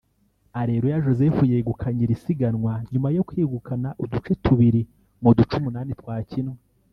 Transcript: Areruya Joseph yegukanye iri sigamwa nyuma yo kwegukana uduce tubiri mu duce umunani twakinwe